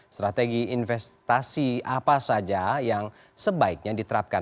strategi investasi apa saja yang sebaiknya diterapkan